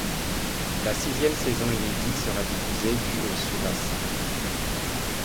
La sixième saison inédite sera diffusée du au sur La Cinq.